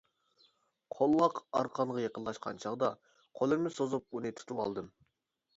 قولۋاق ئارقانغا يېقىنلاشقان چاغدا قولۇمنى سوزۇپ ئۇنى تۇتۇۋالدىم.